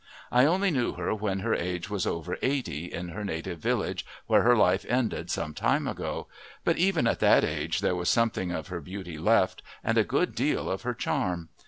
I only knew her when her age was over eighty, in her native village where her life ended some time ago, but even at that age there was something of her beauty left and a good deal of her charm.